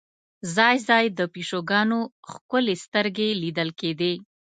ځای ځای د پیشوګانو ښکلې سترګې لیدل کېږي.